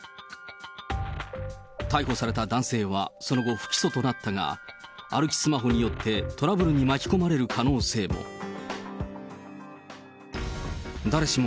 逮捕された男性はその後、不起訴となったが、歩きスマホによって、トラブルに巻き込まれる可能性も。